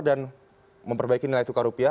dan memperbaiki nilai tukar rupiah